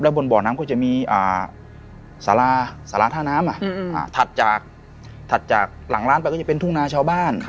บนบ่อน้ำก็จะมีสาราสาราท่าน้ำถัดจากถัดจากหลังร้านไปก็จะเป็นทุ่งนาชาวบ้าน